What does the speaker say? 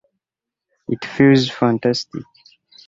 It feels fantastic.